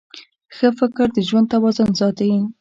ښه فکر د ژوند توازن ساتي.